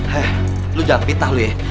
heh lo jangan pitah lo ya